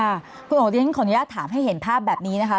คุณโอดิฉันขออนุญาตถามให้เห็นภาพแบบนี้นะคะ